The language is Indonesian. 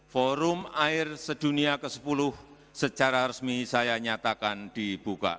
forum air sedunia ke sepuluh secara resmi saya nyatakan dibuka